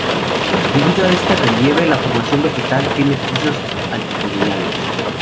Debido a este relieve, la formación vegetal tiene pisos altitudinales.